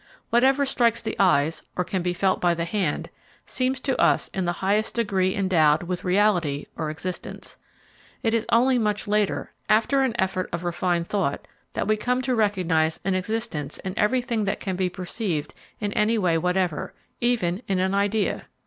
Whatever strikes the eyes, or can be felt by the hand, seems to us in the highest degree endowed with reality or existence. It is only much later, after an effort of refined thought, that we come to recognise an existence in everything that can be perceived in any way whatever, even in an idea.